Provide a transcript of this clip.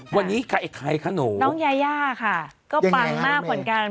วันนี้ใครคะหนูน้องยายาค่ะก็ปังมากเหมือนกัน